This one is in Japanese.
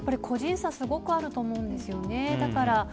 個人差すごくあると思うんですよね。